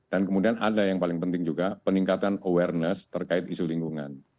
dan kemudian ada yang paling penting juga peningkatan awareness terkait isu lingkungan